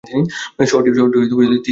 শহরটি তিস্তা নদীর ধারে অবস্থিত।